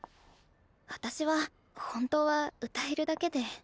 私は本当は歌えるだけで。